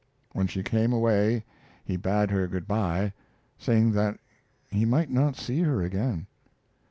When she came away he bade her good by, saying that he might not see her again.